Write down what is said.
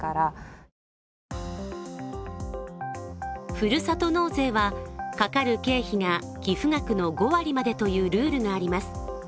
ふるさと納税は、かかる経費が寄付額の５割までというルールがあります。